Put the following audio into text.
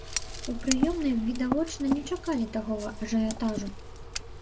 У прыёмнай відавочна не чакалі такога ажыятажу.